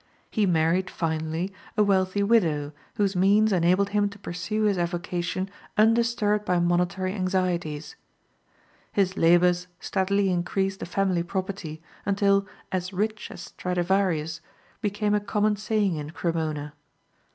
He married, finally, a wealthy widow whose means enabled him to pursue his avocation undisturbed by monetary anxieties. His labors steadily increased the family property until "as rich as Stradivarius" became a common saying in Cremona.